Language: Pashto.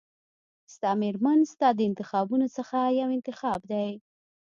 ستا مېرمن ستا د انتخابونو څخه یو انتخاب دی.